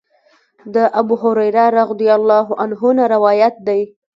د ابوهريره رضی الله عنه نه روايت دی :